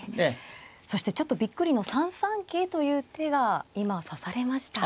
そしてちょっとびっくりの３三桂という手が今指されました。